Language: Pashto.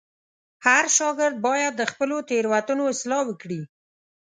هر شاګرد باید د خپلو تېروتنو اصلاح وکړي.